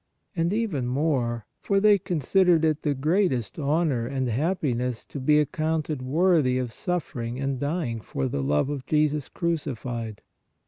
And even more, for they considered it the greatest honor and happiness to be accounted worthy of suffering and dying for the love of Jesus crucified